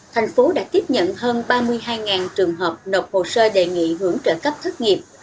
thành phố đã tiếp nhận hơn ba mươi hai trường hợp nộp hồ sơ đề nghị hưởng trợ cấp thất nghiệp